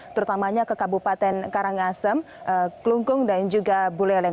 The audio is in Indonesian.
terutamanya ke kabupaten karangasem kelungkung dan juga buleleng